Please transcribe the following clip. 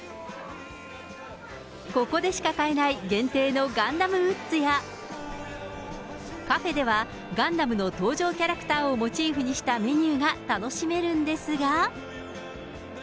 ここでしか買えない限定のガンダムグッズや、カフェではガンダムの登場キャラクターをモチーフにしたメニューが楽しめるんですが。